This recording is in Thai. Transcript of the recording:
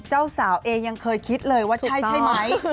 เจ้าสาวเองยังเคยคิดเลยว่าจะใช่ใช่ไหม